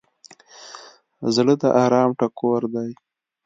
زړه د ارام ټکور دی.